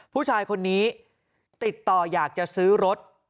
ผู้ชายคนนี้ติดต่ออยากจะซื้อรถ